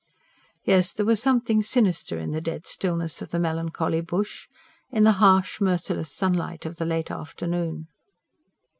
Yes, there was something sinister in the dead stillness of the melancholy bush; in the harsh, merciless sunlight of the late afternoon.